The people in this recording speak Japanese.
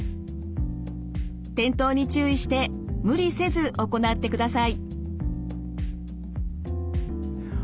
転倒に注意して無理せず行ってください。